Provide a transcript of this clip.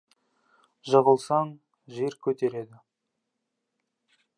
Жығылсаң, жер көтереді.